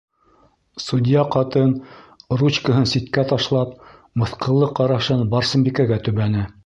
- Судья ҡатын, ручкаһын ситкә ташлап, мыҫҡыллы ҡарашын Барсынбикәгә төбәне.